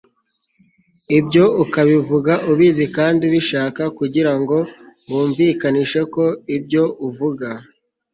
ibyo ukabivuga ubizi kandi ubishaka kugira ngo wumvikanishe ko ibyouvuga